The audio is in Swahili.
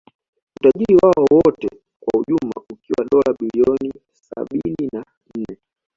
Utajiri wao wote kwa ujumla ukiwa dola bilioni sabini na nne